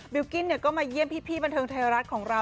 กิ้นก็มาเยี่ยมพี่บันเทิงไทยรัฐของเรา